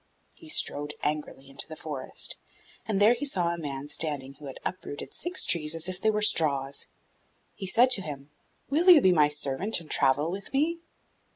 He strode angrily into the forest, and there he saw a man standing who had uprooted six trees as if they were straws. He said to him, 'Will you be my servant and travel with me?